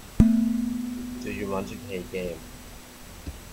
Do you want to play a game.